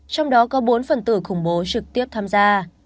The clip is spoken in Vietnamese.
trong đó có bốn phần tử khủng bố trực tiếp tham gia